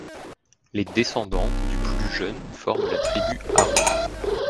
Les descendants du plus jeune forment la tribu Arou.